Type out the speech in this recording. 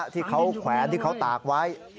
ที่เขาแขวนที่เขาตากไว้